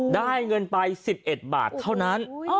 ได้เงินไป๑๑บาทเท่านั้น